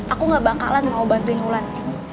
aku gak bakalan mau bantuin ulan